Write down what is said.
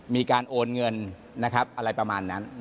มีการโอนเงินนะครับอะไรประมาณนั้น